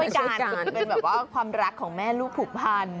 การเหมือนเป็นแบบว่าความรักของแม่ลูกผูกพัน